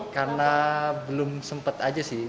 karena belum sempet aja sih